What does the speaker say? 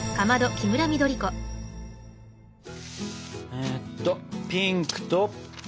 えっとピンクと緑。